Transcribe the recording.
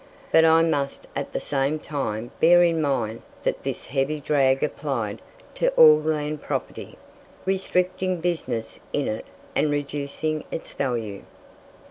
But I must at the same time bear in mind that this heavy drag applied to all landed property, restricting business in it and reducing its value.